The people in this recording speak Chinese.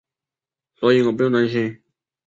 所以我不担心